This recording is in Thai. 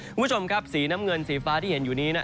คุณผู้ชมครับสีน้ำเงินสีฟ้าที่เห็นอยู่นี้